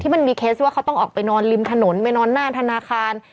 มันมีเคสว่าเขาต้องออกไปนอนริมถนนไปนอนหน้าธนาคาร